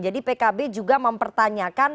jadi pkb juga mempertanyakan